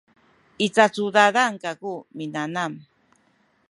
i cacudadan kaku minanam